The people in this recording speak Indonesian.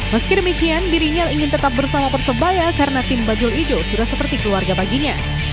meski demikian dirinya ingin tetap bersama persebaya karena tim bajul ijo sudah seperti keluarga baginya